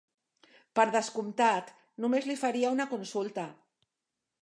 Per descomptat, només li faria una consulta.